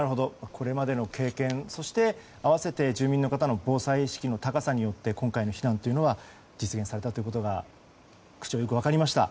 これまでの経験合わせて住民の方の防災意識の高さによって今回の避難は実現されたということが区長、よく分かりました。